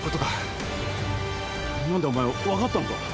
何だお前分かったのか？